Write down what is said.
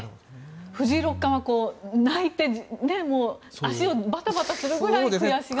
藤井竜王は泣いて足をバタバタするくらい悔しがって。